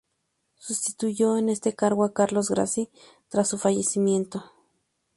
Sustituyó en este cargo a Carlos Grassi tras su fallecimiento.